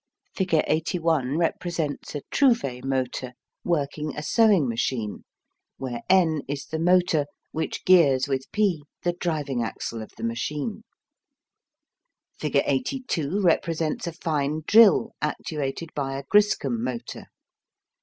Figure 81 represents a Trouve motor working a sewing machine, where N is the motor which gears with P the driving axle of the machine. Figure 82 represents a fine drill actuated by a Griscom motor.